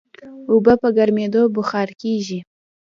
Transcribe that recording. اوبه په ګرمېدو بخار کېږي.